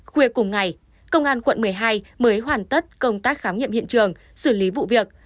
khuya cùng ngày công an quận một mươi hai mới hoàn tất công tác khám nghiệm hiện trường xử lý vụ việc